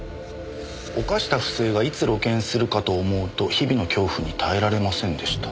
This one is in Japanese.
「犯した不正がいつ露見するかと思うと日々の恐怖に耐えられませんでした」